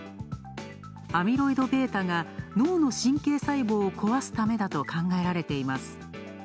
アミロイドベータが脳の神経細胞を壊すためだと考えられています。